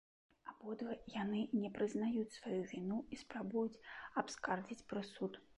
Абодва яны не прызнаюць сваю віну і спрабуюць абскардзіць прысуд.